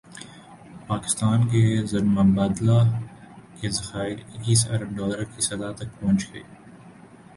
پاکستان کے زرمبادلہ کے ذخائر اکیس ارب ڈالر کی سطح تک پہنچ گئے